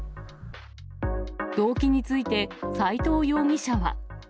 動機について、サイトウ容疑者は。